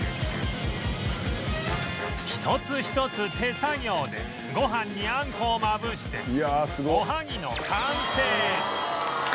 一つ一つ手作業でご飯にあんこをまぶしておはぎの完成